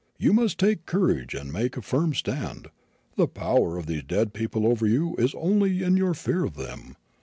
You must take courage and make a firm stand. The power of these dead people over you is only in your fear of them.